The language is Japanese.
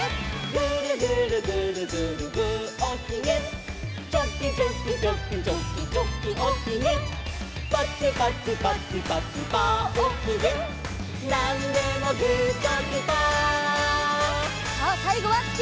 「グルグルグルグルグーおひげ」「チョキチョキチョキチョキチョキおひげ」「パチパチパチパチパーおひげ」「なんでもグーチョキパー」さあさいごはすきなポーズでいくよ！